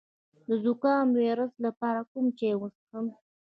د زکام د ویروس لپاره کوم چای وڅښم؟